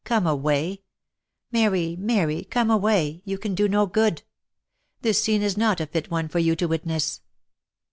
come away ! Mary, Mary, come away ! you can do no good. This scene is not a fit one for you to witness."